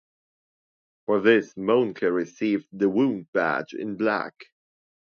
For this, Mohnke received the Wound Badge in Black.